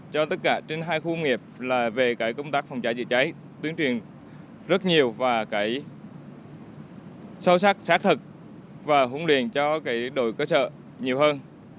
cho tất cả trên hai khu nghiệp là về cái công tác phòng cháy chữa cháy tuyên truyền rất nhiều và sâu sắc sát xác thực và huấn luyện cho đội cơ sở nhiều hơn